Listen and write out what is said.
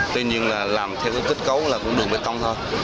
tuy nhiên là làm theo kết cấu là cũng đường bê tông thôi